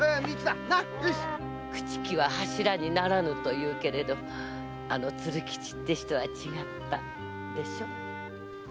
「朽ち木は柱にならぬ」と言うけどあの鶴吉は違ったでしょ？